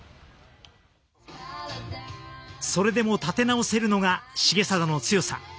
それでも立て直せるのが重定の強さ。